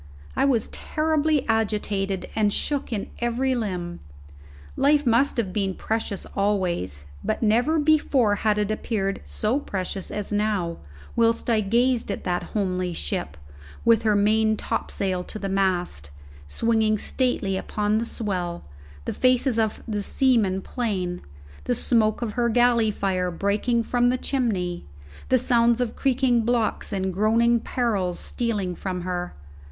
I was terribly agitated, and shook in every limb. Life must have been precious always; but never before had it appeared so precious as now, whilst I gazed at that homely ship, with her main topsail to the mast, swinging stately upon the swell, the faces of the seamen plain, the smoke of her galley fire breaking from the chimney, the sounds of creaking blocks and groaning parrels stealing from her.